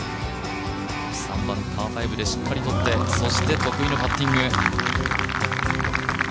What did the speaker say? ３番、パー５でしっかりとって得意のパッティング。